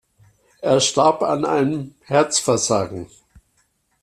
Er starb an einem Herzversagen.